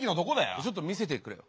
じゃちょっと見せてくれよ。